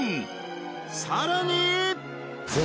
さらに